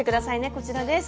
こちらです。